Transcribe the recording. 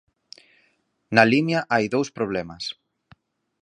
Na Limia hai dous problemas.